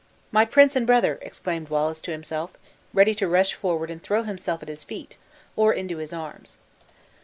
"My prince and brother!" exclaimed Wallace to himself, ready to rush forward and throw himself at his feet, or into his arms.